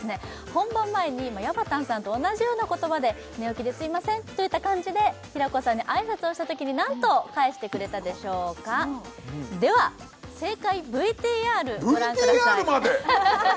本番前にやばたんさんと同じような言葉で「寝起きですいません」といった感じで平子さんに挨拶をしたときに何と返してくれたでしょうかでは正解ＶＴＲご覧くださいＶＴＲまで？